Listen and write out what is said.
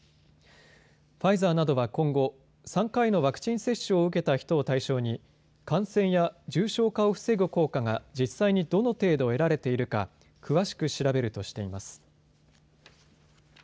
ファイザーなどは今後、３回のワクチン接種を受けた人を対象に感染や重症化を防ぐ効果が実際にどの程度得られているか詳しく調べるとしています。